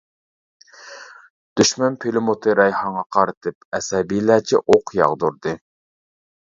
دۆشمەن پىلىموتى رەيھانغا قارىتىپ ئەسەبىيلەرچە ئوق ياغدۇردى.